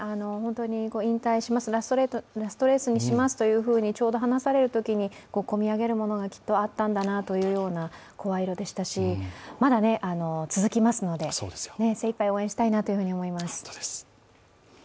引退します、ラストレースにしますと話されるときにちょうど込み上げるものがきっとあったんだなという声色でしたしまだ続きますので、精いっぱい応援したいなと思います。